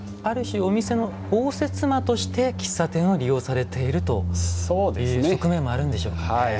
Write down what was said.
ある種お店を応接間として喫茶店を利用されているという側面もあるんでしょうかね。